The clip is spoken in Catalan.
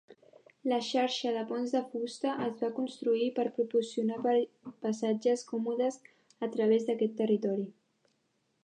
La xarxa de ponts de fusta es va construir per proporcionar passatges còmodes a través d'aquest territori.